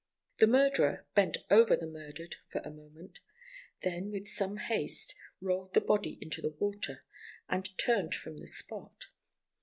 The murderer bent over the murdered for a moment; then, with some haste, rolled the body into the water, and turned from the spot.